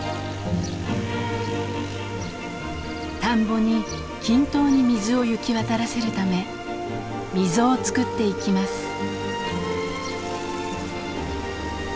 田んぼに均等に水を行き渡らせるため溝を作っていきます。